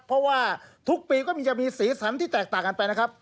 เพราะว่าทุกปีก็จะมีสีสันที่แตกต่างกันไปนะครับ